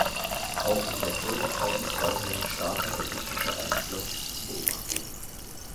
Auch in der Folgezeit ist weiterhin starker ägyptischer Einfluss zu beobachten.